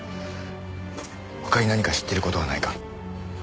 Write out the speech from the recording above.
他に何か知ってる事はないか？